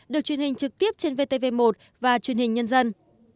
được truyền hình trực tiếp trên vtv một và truyền hình nhân dân